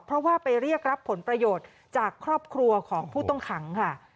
เพราะว่าไปเรียกรับผลประโยชน์จากครอบครัวของผู้ต้องขังค่ะ